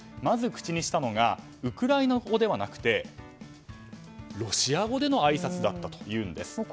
まず口にしたのがウクライナ語ではなくてロシア語でのあいさつだったというんです。